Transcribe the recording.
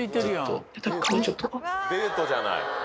デートじゃない。